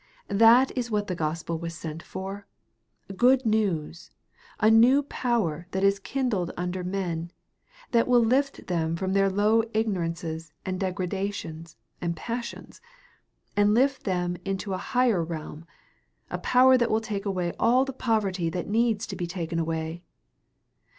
That is what the gospel was sent for; good news, a new power that is kindled under men, that will lift them from their low ignorances and degradations and passions, and lift them into a higher realm; a power that will take away all the poverty that needs to be taken away.